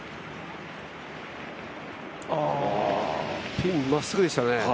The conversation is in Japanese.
ピンにまっすぐでしたね。